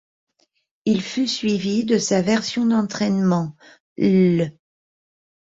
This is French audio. Il fut suivi de sa version d'entraînement, l'.